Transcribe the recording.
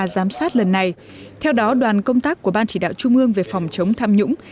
giám sát lần này theo đó đoàn công tác của ban chỉ đạo trung ương về phòng chống tham nhũng